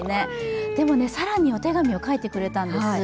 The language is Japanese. でも、更にお手紙を書いてくれたんです。